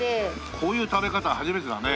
こういう食べ方は初めてだね。